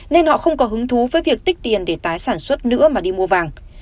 nên họ không có hứng thú với việc tích tiền để tái sản xuất nữa mà đi mua vàng